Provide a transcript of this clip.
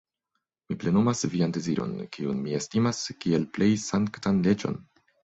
Mi plenumas vian deziron, kiun mi estimas, kiel plej sanktan leĝon.